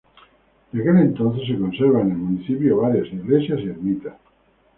De aquel entonces se conservan en el municipio varias iglesias y ermitas.